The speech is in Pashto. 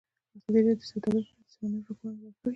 ازادي راډیو د سوداګري په اړه د سیمینارونو راپورونه ورکړي.